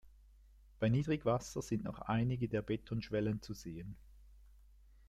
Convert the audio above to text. Bei Niedrigwasser sind noch einige der Betonschwellen zu sehen.